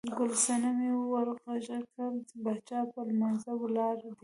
ګل صنمې ور غږ کړل، باچا په لمانځه ولاړ دی.